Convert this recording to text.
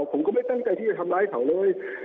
ผมก็ไม่ตั้งใจที่จะทำร้ายเขาเลย